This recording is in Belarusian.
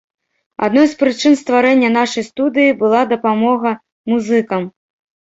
Адной з прычын стварэння нашай студыі была дапамога музыкам.